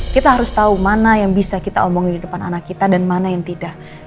kita harus tahu mana yang bisa kita omongin di depan anak kita dan mana yang tidak